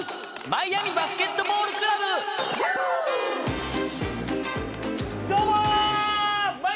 マイアミバスケットボールクラブです。